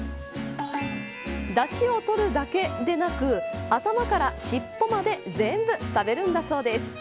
だしを取るだけでなく頭からしっぽまで全部食べるんだそうです。